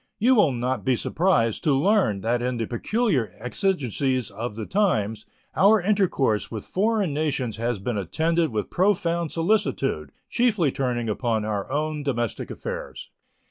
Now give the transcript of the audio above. You will not be surprised to learn that in the peculiar exigencies of the times our intercourse with foreign nations has been attended with profound solicitude, chiefly turning upon our own domestic affairs.